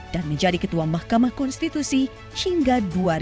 dan menjadi ketua mahkamah konstitusi hingga dua ribu tiga belas